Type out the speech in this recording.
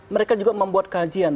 mereka juga membuat kajian